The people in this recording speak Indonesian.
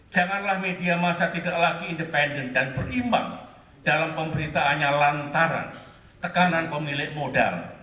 janganlah media masa tidak lagi independen dan berimbang dalam pemberitaannya lantaran tekanan pemilik modal